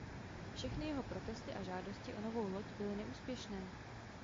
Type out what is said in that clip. Všechny jeho protesty a žádosti o novou loď byly neúspěšné.